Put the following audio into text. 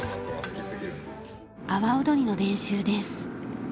阿波踊りの練習です。